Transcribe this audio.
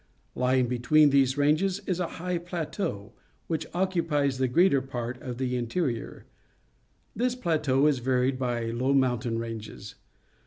Lying between these ranges is a high plateau, which occupies the greater part of the interior. This plateau is varied by low mountain ranges.